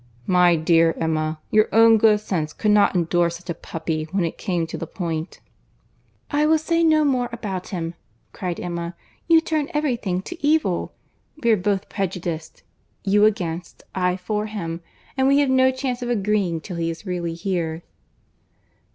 My dear Emma, your own good sense could not endure such a puppy when it came to the point." "I will say no more about him," cried Emma, "you turn every thing to evil. We are both prejudiced; you against, I for him; and we have no chance of agreeing till he is really here."